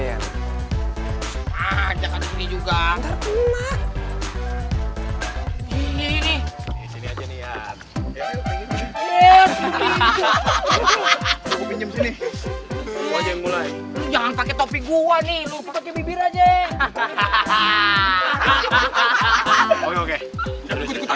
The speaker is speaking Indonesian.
ya lu kan pembalap